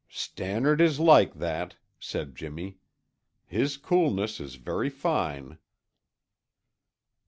"Stannard is like that," said Jimmy. "His coolness is very fine."